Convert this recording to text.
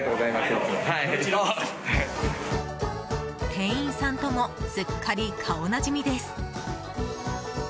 店員さんともすっかり顔なじみです。